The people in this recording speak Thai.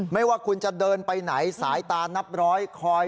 ไม่ว่าคุณจะเดินไปไหนสายตานับร้อยคอย